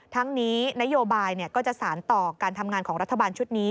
ทั้งนี้นโยบายก็จะสารต่อการทำงานของรัฐบาลชุดนี้